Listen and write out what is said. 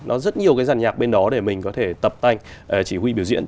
nó rất nhiều cái giàn nhạc bên đó để mình có thể tập tanh chỉ huy biểu diễn